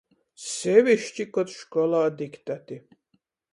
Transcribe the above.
Seviški, kod školā diktati.